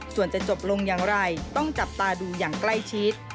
ส่วนจะจบลงอย่างไรต้องจับตาดูอย่างใกล้ชิด